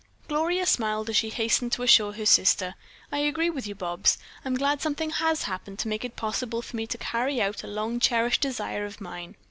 Gloria smiled as she hastened to assure her sister: "I agree with you, Bobs. I'm glad something has happened to make it possible for me to carry out a long cherished desire of mine.